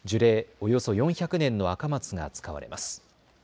およそ４００年のアカマツが使われます。